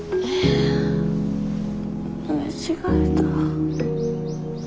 寝違えた。